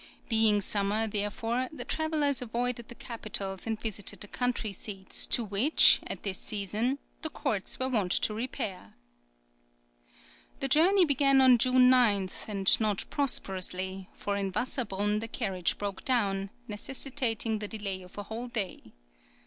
Being summer, therefore, the travellers avoided the capitals and visited the country seats to which, at this season, the courts were wont to repair.[20011] {EARLY JOURNEYS.} (30) The journey began on June 9, and not prosperously; for in Wasserbrunn the carriage broke down, necessitating the delay of a whole day.